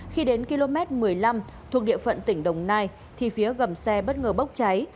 khi đến km một mươi năm thuộc địa phận tỉnh đồng nai thì phía gầm xe bất ngờ bốc cháy